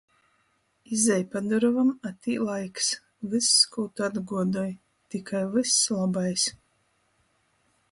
Izej pa durovom, a tī laiks. Vyss, kū tu atguodoj. Tikai vyss lobais.